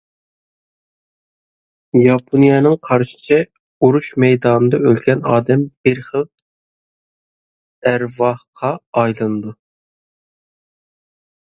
ياپونلارنىڭ قارىشىچە، ئۇرۇش مەيدانىدا ئۆلگەن ئادەم بىر خىل ئەرۋاھقا ئايلىنىدۇ.